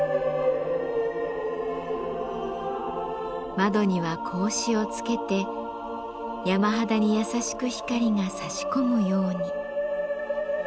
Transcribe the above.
窓には格子をつけて山肌に優しく光がさし込むように。